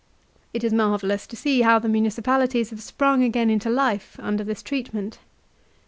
It is marvellous to see how the municipalities have sprung again into life under this treatment.